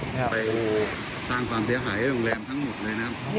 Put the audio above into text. ไปสร้างความเสียหายให้โรงแรมทั้งหมดเลยนะครับ